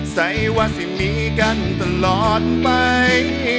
ใส่ว่าสิมีกันตลอดไป